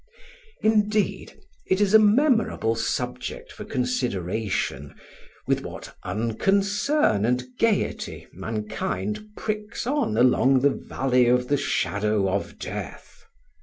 Indeed, it is a memorable subject for consideration, with what unconcern and gaiety mankind pricks on along the Valley of the Shadow of Death.